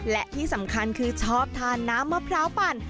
และที่สำคัญคือชอบทานน้ำมะพร้าวปั่น